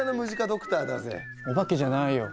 おばけじゃないよ。